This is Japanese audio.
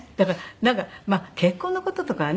なんかまあ結婚の事とかはね